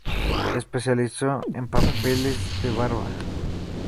Se especializó en papeles de "barba".